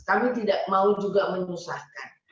kami tidak mau juga menyusahkan